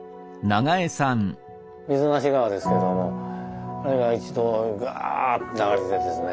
水無川ですけどもあれが一度グワァッと流れてですね。